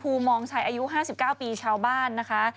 มองชัยอายุ๕๙ปีชาวบ้านนะคะ